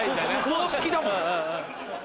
公式だもんな。